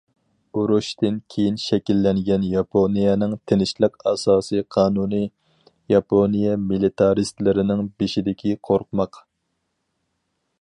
ئۇرۇشتىن كېيىن شەكىللەنگەن ياپونىيەنىڭ تىنچلىق ئاساسى قانۇنى- ياپونىيە مىلىتارىستلىرىنىڭ بېشىدىكى قورقماق.